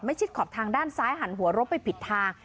ชิดขอบทางด้านซ้ายหันหัวรบไปผิดทาง